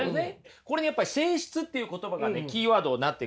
これねやっぱり性質っていう言葉がねキーワードになってくると思います。